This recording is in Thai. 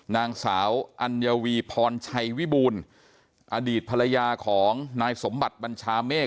นางสาวอัญวีพรชัยวิบูรณ์อดีตภรรยาของนายสมบัติบัญชาเมฆ